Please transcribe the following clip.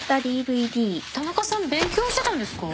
田中さん勉強してたんですか？